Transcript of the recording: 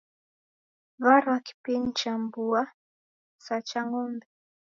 Warwa kipini cha mbuya sa cha ng'ombe